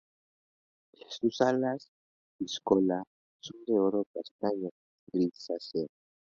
Sus alas y cola son de color castaño grisáceo.